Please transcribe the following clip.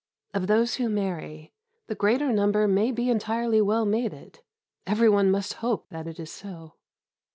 Of those who marry, the greater number may be entirely well mated. Every one must hope that it is so.